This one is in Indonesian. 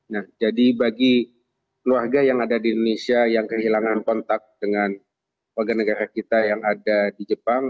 nah jadi bagi keluarga yang ada di indonesia yang kehilangan kontak dengan warga negara kita yang ada di jepang